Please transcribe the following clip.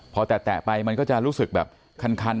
พอแตะไปมันก็จะรู้สึกแบบคัน